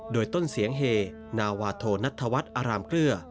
โดยต้นเสียงเฮนาวาโทนัทธวัฒน์อารามเกลือ